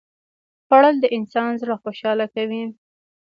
خوړل د انسان زړه خوشاله کوي